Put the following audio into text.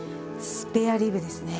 スペアリブですね。